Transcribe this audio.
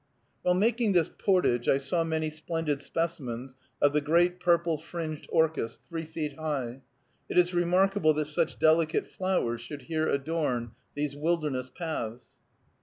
While making this portage I saw many splendid specimens of the great purple fringed orchis, three feet high. It is remarkable that such delicate flowers should here adorn these wilderness paths.